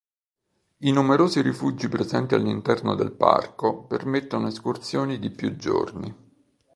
I numerosi rifugi presenti all'interno del parco permettono escursioni di più giorni.